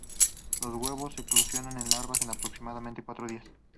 Los huevos eclosionan en larvas en aproximadamente cuatro días.